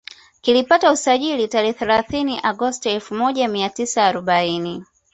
Kilipata usajili tarehe thealathini Agosti elfu moja mia tisa arobaini